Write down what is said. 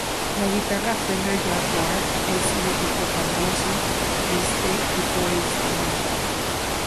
La guitarra Fender Jaguar es un ejemplo famoso de este tipo de instrumento.